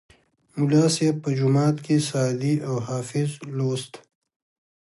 ملا صیب به جومات کې سعدي او حافظ لوست.